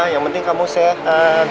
yang penting kamu sehat